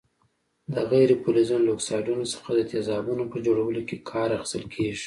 د غیر فلزونو له اکسایډونو څخه د تیزابونو په جوړولو کې کار اخیستل کیږي.